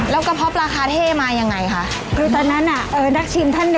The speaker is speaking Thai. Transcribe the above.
แล้วกระเพาะปลาคาเท่มายังไงคะ